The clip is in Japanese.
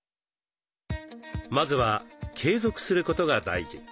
まずは継続することが大事。